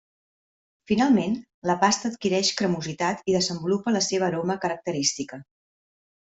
Finalment, la pasta adquireix cremositat i desenvolupa la seva aroma característica.